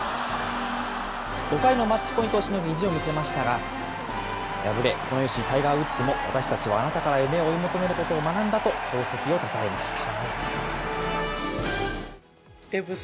５回のマッチポイントをしのぐ意地を見せましたが、敗れ、この雄姿にタイガー・ウッズも、私たちはあなたから夢を追い求めることを学んだと、功績をたたえました。